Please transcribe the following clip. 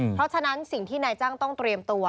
เพราะฉะนั้นสิ่งที่นายจ้างต้องเตรียมตัว